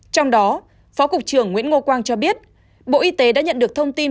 trong đó phó cục trưởng nguyễn ngô quang cho biết bộ y tế đã nhận được thông tin